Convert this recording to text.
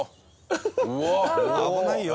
危ないよ。